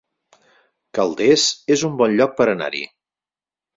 Calders es un bon lloc per anar-hi